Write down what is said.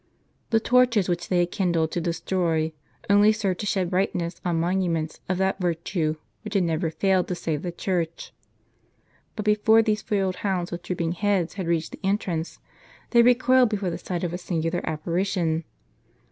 The torches which they had kindled to destroy, only served to shed bright ness on monuments of that virtue which had never failed to save the Church. But before these foiled hounds with drooping heads had reached the entrance, they recoiled before the sight of a singu lar apparition.